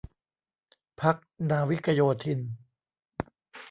พรรคนาวิกโยธิน